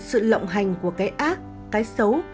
sự lộng hành của cái ác cái xấu